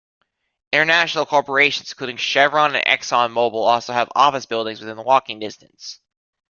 International corporations including Chevron and ExxonMobil also have office buildings within walking distance.